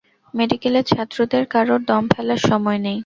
মেডিকেলের ছাত্রদের কারোর দম ফেলার সময় নেই।